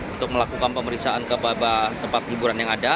untuk melakukan pemeriksaan ke tempat hiburan yang ada